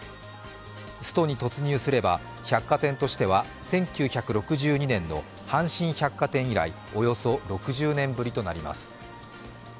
ストに突入すれば、百貨店としては１９６２年の阪神百貨店以来、およそ６０年ぶりとなります。